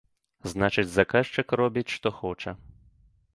Значыць, заказчык робіць, што хоча.